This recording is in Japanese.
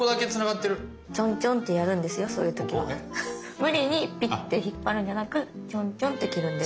無理にピッて引っ張るんじゃなくチョンチョンって切るんです。